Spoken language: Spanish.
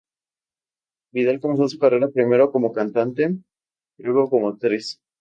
Vidal comenzó su carrera primero como cantante y luego como actriz.